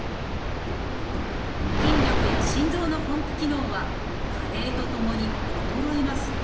筋力や心臓のポンプ機能は加齢とともに衰えます。